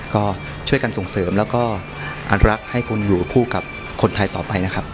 ก็ช่วยกันส่งเสริมแล้วก็อนุรักษ์ให้คุณอยู่คู่กับคนไทยต่อไปนะครับ